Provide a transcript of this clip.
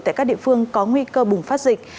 tại các địa phương có nguy cơ bùng phát dịch